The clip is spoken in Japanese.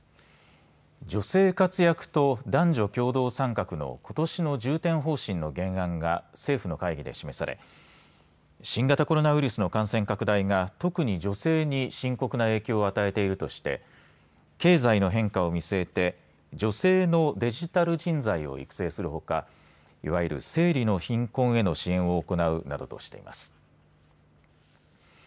女性活躍と男女共同参画のことしの重点方針の原案が政府の会議で示され新型コロナウイルスの感染拡大が特に女性に深刻な影響を与えているとして経済の変化を見据えて女性のデジタル人材を育成するほかいわゆる生理の貧困への支援を行うなどとしています。